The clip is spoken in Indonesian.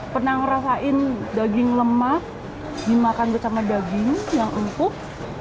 pernah ngerasain daging lemak dimakan bersama daging yang empuk